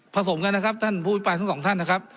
สมกันนะครับท่านผู้พิปรายทั้งสองท่านนะครับ